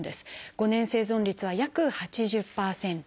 ５年生存率は約８０％。